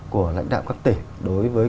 của lãnh đạo các tỉ đối với